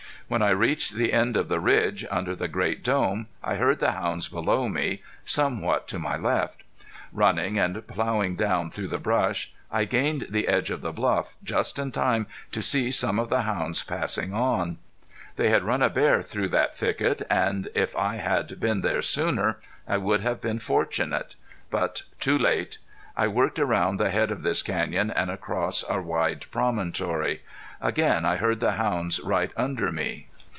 When I reached the end of the ridge, under the great dome, I heard the hounds below me, somewhat to my left. Running and plowing down through the brush I gained the edge of the bluff, just in time to see some of the hounds passing on. They had run a bear through that thicket, and if I had been there sooner I would have been fortunate. But too late! I worked around the head of this canyon and across a wide promontory. Again I heard the hounds right under me.